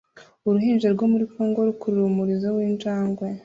Uruhinja rwo muri congo rukurura umurizo w'injangwe